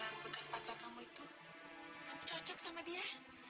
kalau bekas pacar kamu itu kamu cocok sama dia